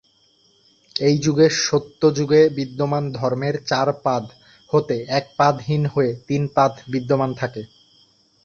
এই যুগে সত্য যুগে বিদ্যমান ধর্মের চার পাদ হতে এক পাদ হীন হয়ে তিন পাদ বিদ্যমান থাকে।